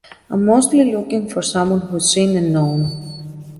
I'm mostly looking for someone who's seen and known.